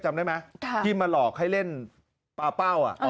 จำได้ไหมที่มาหลอกให้เล่นปลาเป้า